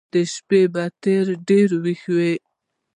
د شپې به تر ډېره ويښ و.